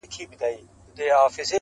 هغې ويل ه ځه درځه چي کلي ته ځو,